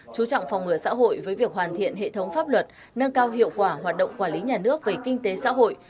chú trọng phòng ngừa xã hội với việc hoàn thiện hệ thống pháp luật nâng cao hiệu quả hoạt động quản lý nhà nước về kinh tế xã hội